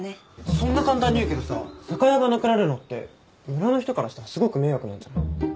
そんな簡単に言うけどさ酒屋がなくなるのって村の人からしたらすごく迷惑なんじゃない？